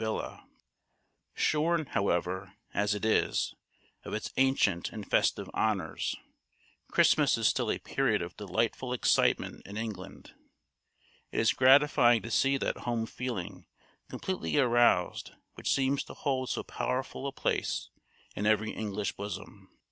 Shorn, however, as it is, of its ancient and festive honours, Christmas is still a period of delightful excitement in England. It is gratifying to see that home feeling completely aroused which seems to hold so powerful a place in every English bosom.